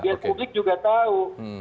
ya publik juga tahu